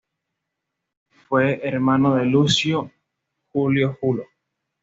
Fue hermano de Lucio Julio Julo.